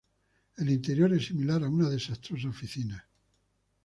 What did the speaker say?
El interior es similar a una desastrosa oficina.